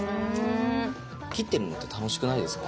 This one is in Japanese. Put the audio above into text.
切ってるのって楽しくないですか？